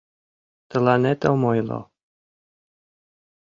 — Тыланет ом ойло...